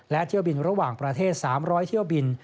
และเที่ยวบินระหว่างประเทศ๓๐๐เที่ยวบิน